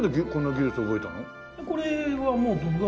これはもう独学。